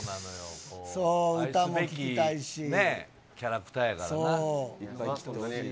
キャラクターやからな。